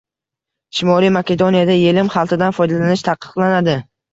Shimoliy Makedoniyada yelim xaltadan foydalanish taqiqlanadi